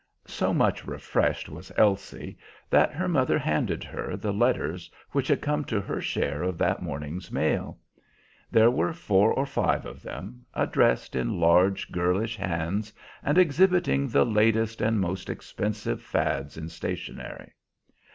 So much refreshed was Elsie that her mother handed her the letters which had come to her share of that morning's mail. There were four or five of them, addressed in large, girlish hands, and exhibiting the latest and most expensive fads in stationery.